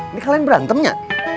ini kalian berantem ya